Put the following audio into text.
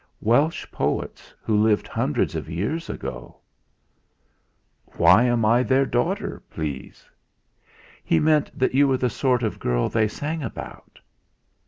"Welsh poets, who lived hundreds of years ago." "Why am I their daughter, please?" "He meant that you were the sort of girl they sang about."